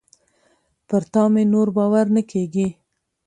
پر تا مي نور باور نه کېږي .